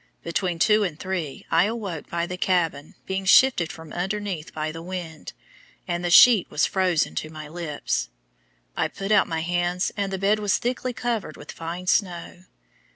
Between two and three I was awoke by the cabin being shifted from underneath by the wind, and the sheet was frozen to my lips. I put out my hands, and the bed was thickly covered with fine snow.